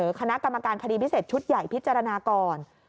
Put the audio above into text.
คณะกรรมการคดีพิเศษชุดใหญ่พิจารณาก่อน